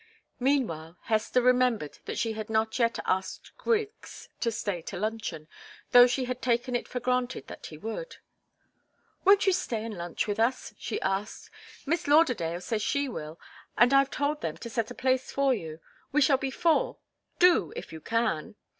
Meanwhile, Hester remembered that she had not yet asked Griggs to stay to luncheon, though she had taken it for granted that he would. "Won't you stay and lunch with us?" she asked. "Miss Lauderdale says she will, and I've told them to set a place for you. We shall be four. Do, if you can!"